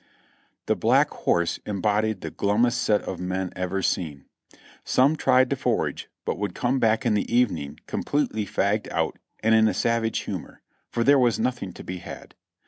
The Black Horse embodied the glummest set of men ever seen. Some tried to forage, but would come back in the evening completely fagged out and in a savage humor, for there was noth ing to be had.